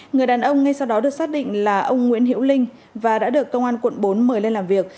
người đàn ông ngay sau đó được xác định là ông nguyễn hiệu linh và đã được công an quận bốn mời lên làm việc